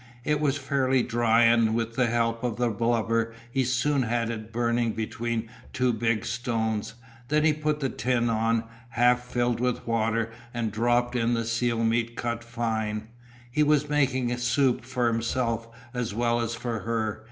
It was fairly dry and with the help of the blubber he soon had it burning between two big stones, then he put the tin on, half filled with water, and dropped in the seal meat cut fine. He was making soup for himself as well as for her.